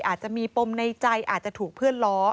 อาจจะมีปมในใจอาจจะถูกเพื่อนล้อ